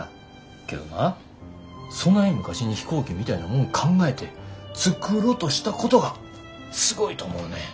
けどなそない昔に飛行機みたいなもん考えて作ろとしたことがすごいと思うねん。